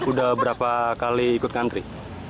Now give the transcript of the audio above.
sudah berapa kali ikut antri